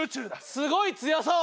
すごい強そう。